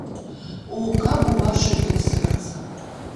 О, каб убачыў ён сэрца!